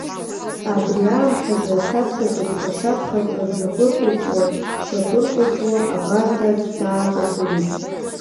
Абри аамҭазы, аҭаца дыԥхашьа-ԥхаҵо, днапырҟәыҷы-шьапырҟәыҷуа абарҵа дааҵагылеит.